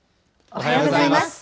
おはようございます。